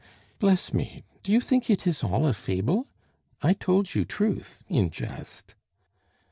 "Bless me, do you think it is all a fable? I told you truth in jest."